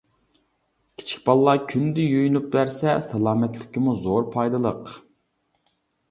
كىچىك بالىلار كۈندە يۇيۇنۇپ بەرسە سالامەتلىككىمۇ زور پايدىلىق.